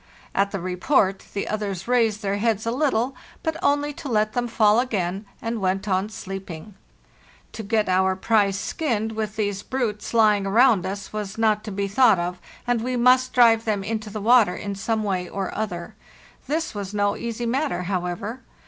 At the report the others raised their heads a little, but only to let them fall again, and went on sleeping. To get our prize skinned with these brutes lying around us was not to be thought of, and we must drive them into the water in some way or other. This was no easy matter, however.